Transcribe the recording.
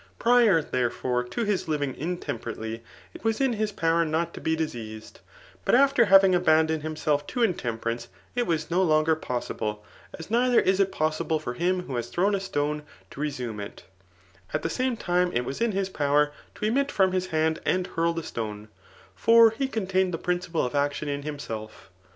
Priois Aerefore, to his living inteihperately, it was in his power liot to be diseased, but after having abandoned himself tb intemperance, it wks no longer possible ; as neither is it possible for him who has thrown a stone, to resume ili At the same timfe it was in his power to eririt from his hand and hurl the stone ; for he contained the prindple of action in himself.